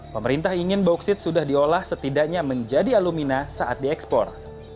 pemerintah ingin bauksit sudah diolah setidaknya menjadi alumina saat diekspor